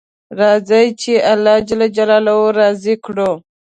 راځئ چې الله جل جلاله راضي کړو